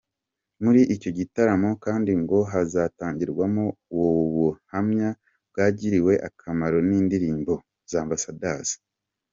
Muri icyo gitaramo kandi ngo hazatangirwamo ubuhamya bw’abagiriwe akamaro n’indirimbo za Ambassadors.